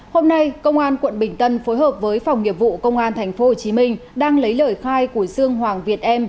hôm nay công an quận bình tân phối hợp với phòng nghiệp vụ công an tp hcm đang lấy lời khai của dương hoàng việt em